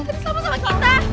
tadi salma sama kita